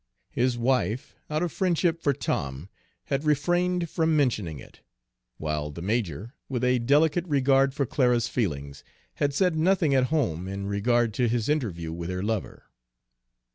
His wife, out of friendship for Tom, had refrained from mentioning it; while the major, with a delicate regard for Clara's feelings, had said nothing at home in regard to his interview with her lover.